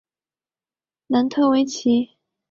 楠特威奇。